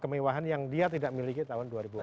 kemewahan yang dia tidak miliki tahun dua ribu empat belas